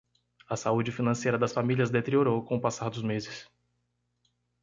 A saúde financeira das famílias deteriorou com o passar dos meses